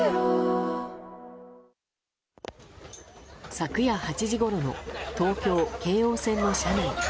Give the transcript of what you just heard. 昨夜８時ごろの東京・京王線の車内。